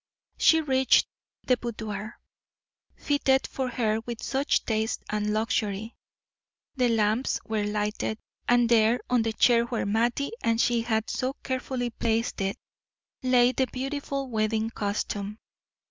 She reached the boudoir, fitted for her with such taste and luxury. The lamps were lighted, and there, on the chair where Mattie and she had so carefully placed it, lay the beautiful wedding costume.